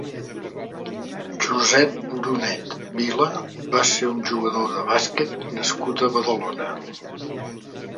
Josep Brunet Vila va ser un jugador de bàsquet nascut a Badalona.